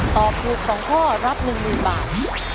ตอบถูก๒ข้อรับ๑๐๐๐บาท